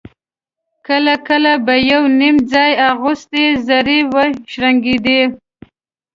کله کله به يو _نيم ځای اغوستې زرې وشرنګېدې.